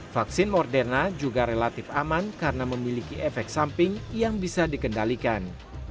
vaksin moderna juga relatif aman karena memiliki efek samping yang bisa dikendalikan